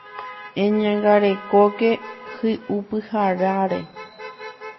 Eñangarekóke hi'upyrãre.